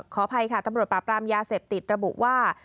ขออภัยค่ะตำรวจปราบรามยาเสพติดระบุว่า